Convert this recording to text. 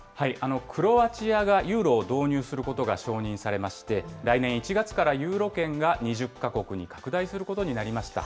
クロアチアがユーロを導入することが承認されまして、来年１月からユーロ圏が２０か国に拡大することになりました。